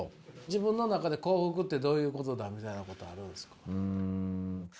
自分の中で幸福ってどういうことだみたいなことあるんですか？